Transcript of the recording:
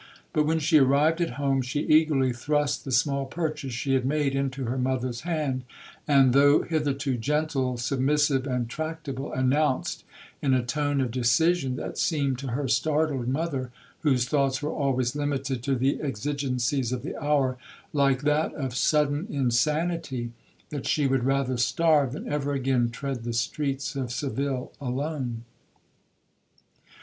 But when she arrived at home, she eagerly thrust the small purchase she had made into her mother's hand, and, though hitherto gentle, submissive, and tractable, announced, in a tone of decision that seemed to her startled mother (whose thoughts were always limited to the exigencies of the hour) like that of sudden insanity, that she would rather starve than ever again tread the streets of Seville alone.